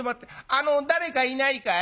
あの誰かいないかい？